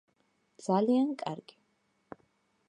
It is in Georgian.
ძალიან კარგი.